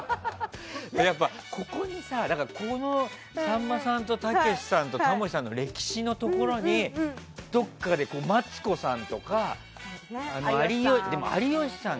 やっぱ、このさんまさんとたけしさんとタモリさんの歴史のところにどっかでマツコさんとか有吉さん。